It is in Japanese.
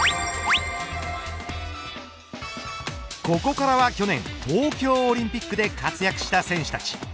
ここからは去年東京オリンピックで活躍した選手たち。